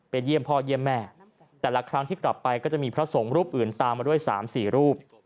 เยี่ยมพ่อเยี่ยมแม่แต่ละครั้งที่กลับไปก็จะมีพระสงฆ์รูปอื่นตามมาด้วย๓๔รูป